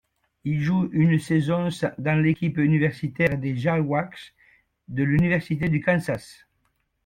Il joue une saison dans l'équipe universitaire des Jayhawks de l'Université du Kansas.